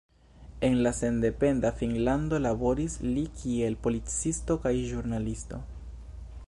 En la sendependa Finnlando laboris li kiel policisto kaj ĵurnalisto.